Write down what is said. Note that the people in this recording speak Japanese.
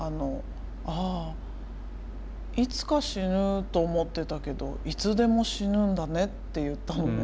「ああいつか死ぬと思ってたけどいつでも死ぬんだね」って言ったのね。